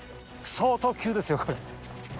相当急ですよ、これ。